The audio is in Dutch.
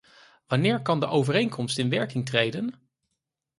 Wanneer kan de overeenkomst in werking treden?